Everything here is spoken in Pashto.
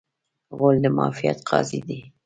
غول د معافیت قاضي دی.